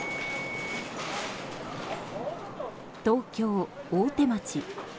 東京・大手町。